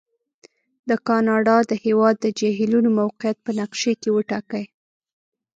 د کاناډا د هېواد د جهیلونو موقعیت په نقشې کې وټاکئ.